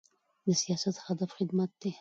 د سیاست هدف خدمت دی